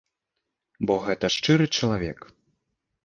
Бо гэта шчыры чалавек.